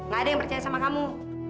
gak ada yang percaya sama kamu